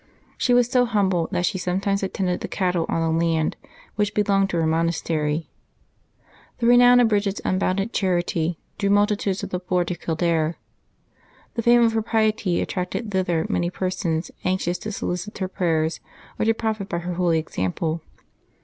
She was so humble that she sometimes attended the cattle on the land which belonged to her monastery. The renown of Bridgid's unbounded charity drew multi tudes of the poor to Kildare; the fame of her piety at tracted thither many persons anxious to solicit her prayers or to profit by her holy example.